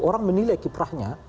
orang menilai kiprahnya